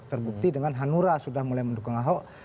terbukti dengan hanura sudah mulai mendukung ahok